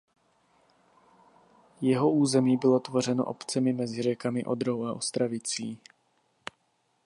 Jeho území bylo tvořeno obcemi mezi řekami Odrou a Ostravicí.